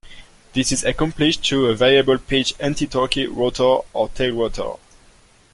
This is accomplished through a variable-pitch antitorque rotor or tail rotor.